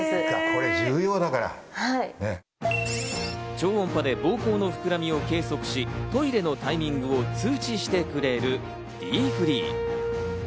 超音波で膀胱の膨らみを計測し、トイレのタイミングを通知してくれるＤＦｒｅｅ。